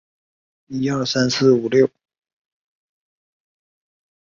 德布罗意关系式将普朗克关系式推广至物质波。